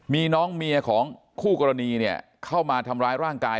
มีน้องเมียของคู่กรณีเนี่ยเข้ามาทำร้ายร่างกาย